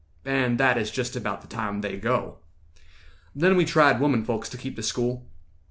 And that is just about the time they go. "Then we tried women folks to keep the school.